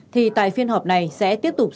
thì tại phiên họp này sẽ tiếp tục xảy ra